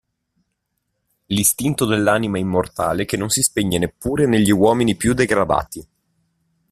L'istinto dell'anima immortale che non si spegne neppure negli uomini più degradati.